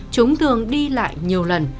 chúng thường đi lại nhiều lần